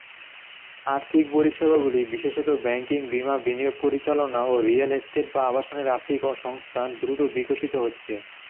আর্থিক পরিষেবাগুলি, বিশেষত ব্যাংকিং, বীমা, বিনিয়োগ পরিচালনা ও রিয়েল এস্টেট বা আবাসনের আর্থিক সংস্থান দ্রুত বিকশিত হচ্ছে।